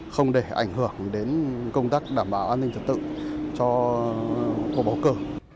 không để ảnh hưởng đến công tác đảm bảo an ninh trật tự cho khu bầu cử